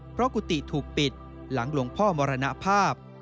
เพราะกุฏิถูกปิดหลังหลวงพ่อมรณภาพ